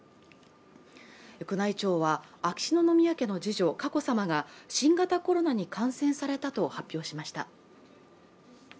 宮内庁は秋篠宮家の次女、佳子さまが新型コロナに感染されたと発表しました。